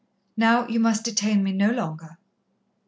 "Now you must detain me no longer."